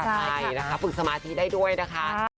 ใช่นะคะฝึกสมาธิได้ด้วยนะคะ